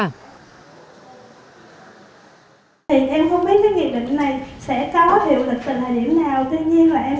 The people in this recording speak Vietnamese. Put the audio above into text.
thì em không biết cái nghị định này sẽ cao hiệu quả trở lại như thế nào